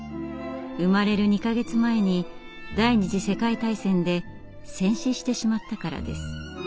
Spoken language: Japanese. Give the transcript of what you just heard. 生まれる２か月前に第二次世界大戦で戦死してしまったからです。